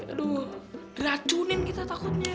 aduh racunin kita takutnya